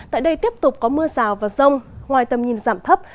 tại đây tiếp tục có mưa rào và rông ngoài tầm nhìn giảm thấp